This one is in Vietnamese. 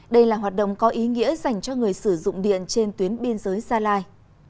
đây là hoạt động có ý nghĩa dành cho người sử dụng điện trên tuyến biên giới gia lai